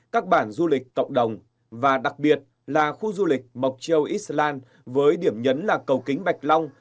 các bản du lịch cộng đồng và đặc biệt là khu du lịch mộc châu islan với điểm nhấn là cầu kính bạch long